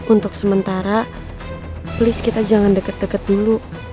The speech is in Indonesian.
untuk sementara please kita jangan deket deket dulu